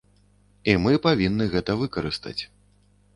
І мы павінны гэта выкарыстаць.